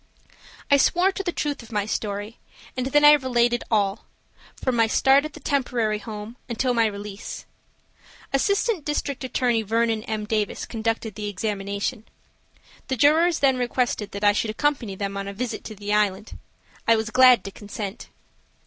I swore to the truth of my story, and then I related all–from my start at the Temporary Home until my release. Assistant District Attorney Vernon M. Davis conducted the examination. The jurors then requested that I should accompany them on a visit to the Island. I was glad to consent.